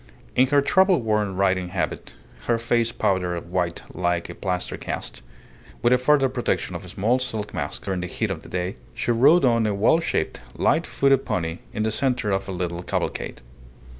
In her travel worn riding habit, her face powdered white like a plaster cast, with a further protection of a small silk mask during the heat of the day, she rode on a well shaped, light footed pony in the centre of a little cavalcade.